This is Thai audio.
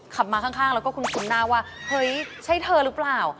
ขับมาข้างแล้วก็คุ้นหน้าว่าเฮ้ยใช่เธอหรือเปล่า